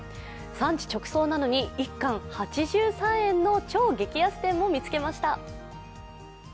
産地直送なのに１貫８３円の超激安店も見つけました。